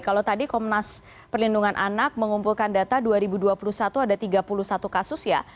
kalau tadi komnas perlindungan anak mengumpulkan data dua ribu dua puluh satu ada tiga puluh satu kasus ya